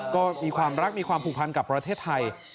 ก็มีความรักมีความผูกพันกับประเทศไทย